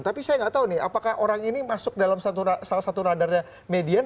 tapi saya nggak tahu nih apakah orang ini masuk dalam salah satu radarnya median